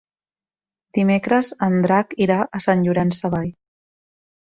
Dimecres en Drac irà a Sant Llorenç Savall.